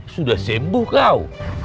sudah sembuh kau